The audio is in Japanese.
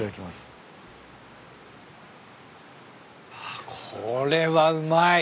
あっこれはうまい。